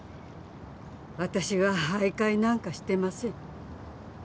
私は徘徊なんかしてません。